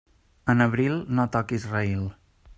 En abril, no toquis raïl.